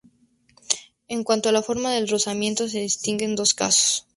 En cuanto a la forma del rozamiento se distinguen dos casos.